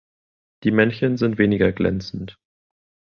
Die Männchen sind weniger glänzend.